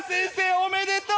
おめでとう！